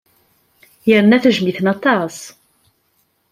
Yerna tejjem-iten aṭas.